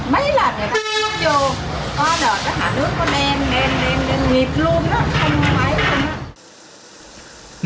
mấy lần người ta vô có đợt các hạ nước có đem đem đem đem nghiệp luôn đó không có máy không đó